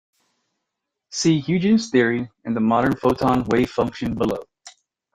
See Huygens' Theory and the Modern Photon Wavefunction below.